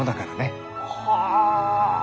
はあ